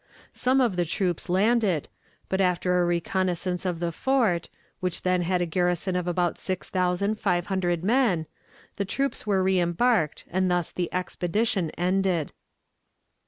Some of the troops landed, but after a reconnaissance of the fort, which then had a garrison of about six thousand five hundred men, the troops were reembarked, and thus the expedition ended.